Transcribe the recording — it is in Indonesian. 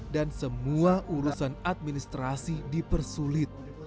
dan semua urusan administrasi dipersulit